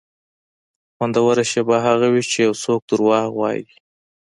خوندوره شېبه هغه وي چې یو څوک دروغ وایي.